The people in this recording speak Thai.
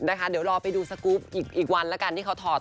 เดี๋ยวรอไปดูสกรูปอีกวันแล้วกันที่เขาถอด